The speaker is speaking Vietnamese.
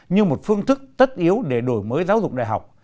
như một phương thức tất yếu để đổi mới giáo dục đại học